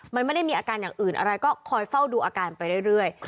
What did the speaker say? มันไม่ได้มีอาการอย่างอื่นอะไรก็คอยเฝ้าดูอาการไปเรื่อย